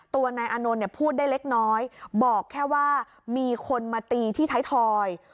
นายอานนท์เนี่ยพูดได้เล็กน้อยบอกแค่ว่ามีคนมาตีที่ไทยทอย